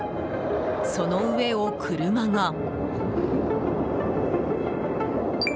その上を車が。